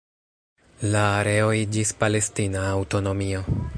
La areo iĝis palestina aŭtonomio.